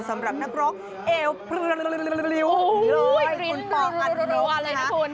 สำหรับนักร้องเอวคุณปอร์อันโลก